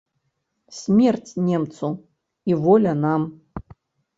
Смерць немцу і воля нам!